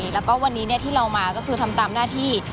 แล้วก็วันนี้ที่เรามาก็คือทำตามหน้าที่